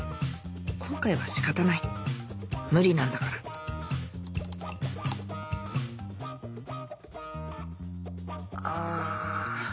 今回は仕方ない無理なんだからあぁ。